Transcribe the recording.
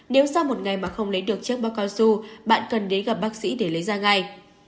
nếu sau một ngày mà không lấy được chiếc bác con su bạn cần đến gặp bác sĩ để lấy ra ngay